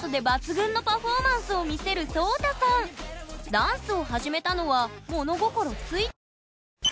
ダンスを始めたのは物心ついた頃。